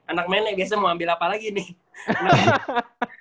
anak mene biasa mau ambil apa lagi nih